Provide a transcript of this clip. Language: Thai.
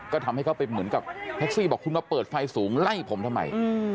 ก็ทำให้เขาไปเหมือนกับแท็กซี่บอกคุณมาเปิดไฟสูงไล่ผมทำไม